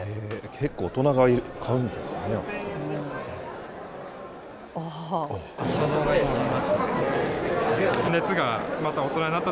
結構、大人が買うんですね、やっぱり。